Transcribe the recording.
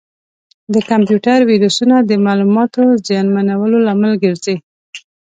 د کمپیوټر ویروسونه د معلوماتو زیانمنولو لامل ګرځي.